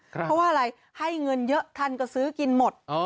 เพราะว่าอะไรให้เงินเยอะท่านก็ซื้อกินหมด